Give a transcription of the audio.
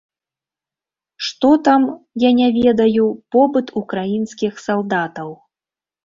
Што там, я не ведаю, побыт украінскіх салдатаў.